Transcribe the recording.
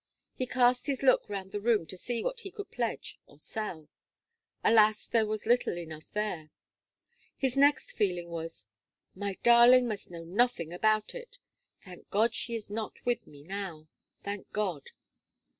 He cast his look round the room to see what he could pledge or sell. Alas! there was little enough there. His next feeling was, "My darling must know nothing about it Thank God, she is not with me now! Thank God!"